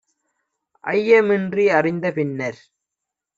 ஐய மின்றி அறிந்த பின்னர்